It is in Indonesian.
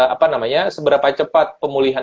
apa namanya seberapa cepat pemulihan